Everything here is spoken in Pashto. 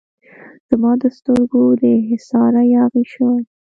زما د سترګو د حصاره یاغي شوی